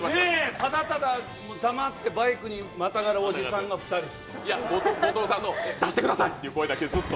ただただ黙ってバイクにまたいや、後藤さんの出してくださいっていう声だけずっと。